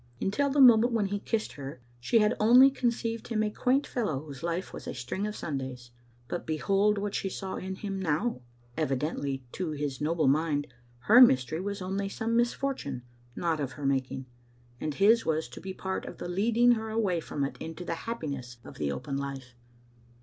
Until the moment when he kissed her she had only conceived him a quaint fellow whose life was a string of Sundays, but behold what she saw in him now. Evidently to his noble mind her mystery was only some misfortune, not of her making, and his was to be the part of leading her away from it into the hap piness of the open life.